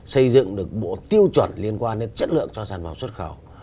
xây dựng được bộ tiêu chuẩn liên quan đến chất lượng cho sản phẩm xuất khẩu